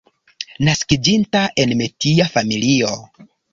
Naskiĝinta en metia familio.